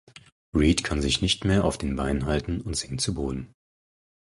Reed kann sich nicht mehr auf den Beinen halten und sinkt zu Boden.